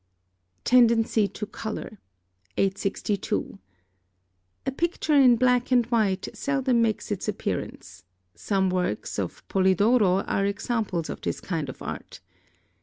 TENDENCY TO COLOUR. 862. A picture in black and white seldom makes its appearance; some works of Polidoro are examples of this kind of art.